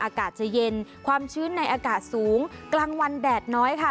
อากาศจะเย็นความชื้นในอากาศสูงกลางวันแดดน้อยค่ะ